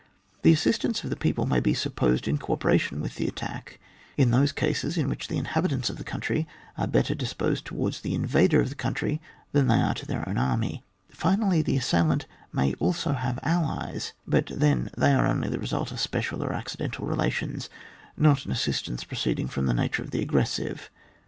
The assist ance of the people may be supposed in co operation with the attack, in those cases in which the inhabitants of the country are better disposed towards the invader of the country than they are to their own army; flnsdly, the assailant may also have allies, but then they are only the result of special or accidental relations, not an assistance proceeding from the nature of the aggressive.